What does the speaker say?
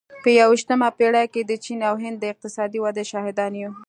په یوویشتمه پېړۍ کې د چین او هند د اقتصادي ودې شاهدان یو.